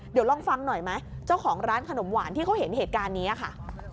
เดี๋ยวลองฟังหน่อยไหมเจ้าของร้านขนมหวานที่เขาเห็นเหตุการณ์นี้ค่ะ